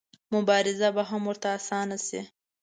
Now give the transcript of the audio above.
مبارزه به هم ورته اسانه شي.